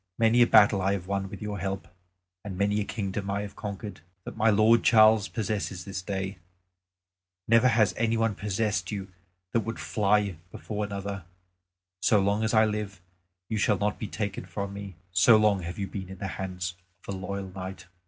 Many a battle I have won with your help; and many a kingdom have I conquered, that my lord Charles possesses this day. Never has any one possessed you that would fly before another. So long as I live, you shall not be taken from me, so long have you been in the hands of a loyal knight."